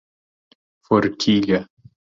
Forquilha